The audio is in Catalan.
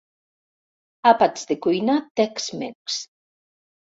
Àpats de cuina tex-mex.